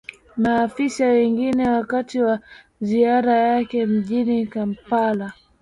maafisa wengine wakati wa ziara yake mjini kampala